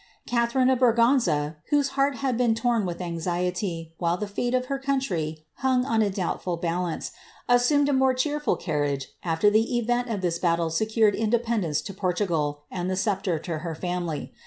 tharine of Braganza, whose heart had been torn with anxiety, while ate of her country hung on a doubtful balance, assumed a more ful carriage after Uie event of this battle secured independence to igal, and the sceptre to her family.